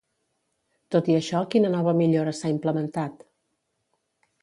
Tot i això, quina nova millora s'ha implementat?